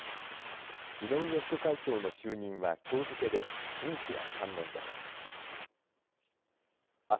井上副会長の就任はきょう付けで任期は３年です。